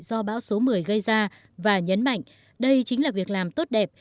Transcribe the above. do bão số một mươi gây ra và nhấn mạnh đây chính là việc làm tốt đẹp